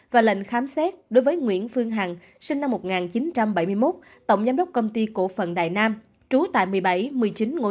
và lệnh khám xét đối với nguyễn phương hằng